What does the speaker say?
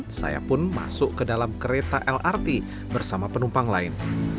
setelah melakukan tap up di atas mesin saya pun masuk ke dalam kereta lrt bersama penumpang lain